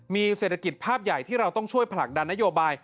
มีเศรษฐกิจภาพใหญ่ที่เราต้องช่วยผลักดันนโยบาย